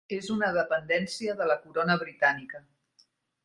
És una dependència de la Corona britànica.